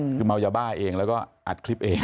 คือเมายาบ้าเองแล้วก็อัดคลิปเอง